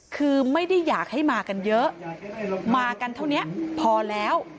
คือไม่ได้อยากให้มากันเยอะมากันเท่านี้พอแล้ว